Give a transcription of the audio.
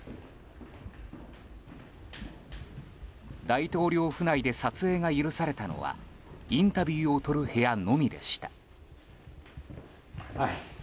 大統領府内で撮影が許されたのはインタビューを撮る部屋のみでした。